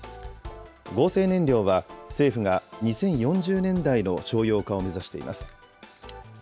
合成燃料は、政府が２０４０年代の商用化を目指しています。